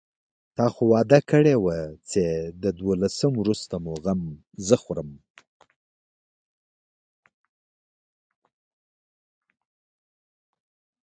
تا خو وعده کړې وه چې د دولسم وروسته مو غم زه خورم.